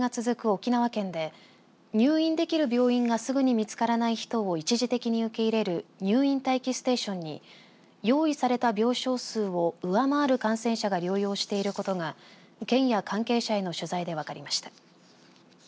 沖縄県で入院できる病院がすぐに見つからない人を一時的に受け入れる入院待機ステーションに用意された病床数を上回る感染者が療養していることが、県や関係者への取材で分かりました。